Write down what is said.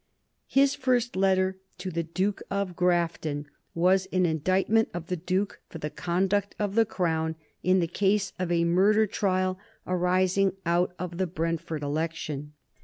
His first letter to the Duke of Grafton was an indictment of the Duke for the conduct of the Crown in the case of a murder trial arising out of the Brentford election.